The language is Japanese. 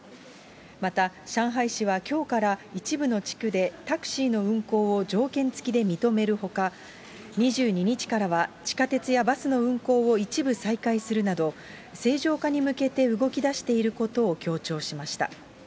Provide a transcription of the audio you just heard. また、上海市はきょうから一部の地区でタクシーの運行を条件付きで認めるほか、２２日からは地下鉄やバスの運行を一部再開するなど、正常化に向けて動きだしていることを強調しました。